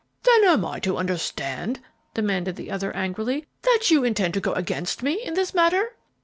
"Then am I to understand," demanded the other, angrily, "that you intend to go against me in this matter?"